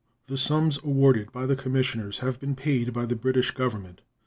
The sums awarded by the commissioners have been paid by the British Government.